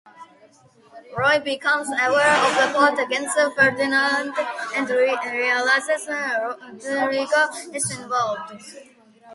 Ruy becomes aware of the plot against Ferdinand and realises Rodrigo is involved.